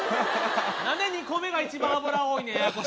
何で２個目が一番脂多いねんややこしいな。